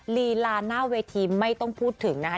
ลีลาหน้าเวทีไม่ต้องพูดถึงนะคะ